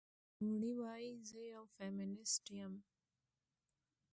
نوموړې وايي، "زه یوه فېمینیسټه یم